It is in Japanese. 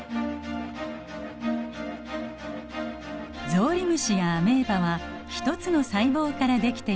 ゾウリムシやアメーバは一つの細胞からできています。